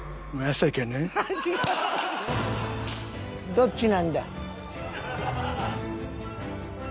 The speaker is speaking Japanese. どっちなんだ？